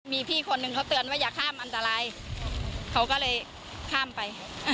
มีพี่คนหนึ่งเขาเตือนว่าอย่าข้ามอันตรายเขาก็เลยข้ามไป